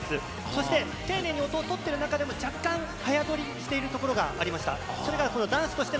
そして、丁寧に音を取っている中でも、若干、早取りしているところがありました。